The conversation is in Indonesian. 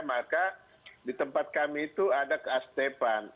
maka di tempat kami itu ada keas depan